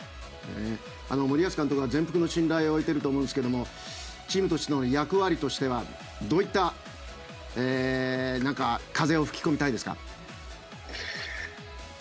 森保監督は全幅の信頼を置いていると思うんですがチームとしての役割としてはどういった風を吹き込みたいですか。